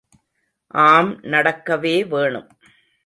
ஆம் நடக்கவே வேணும்.